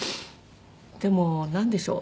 でもなんでしょう。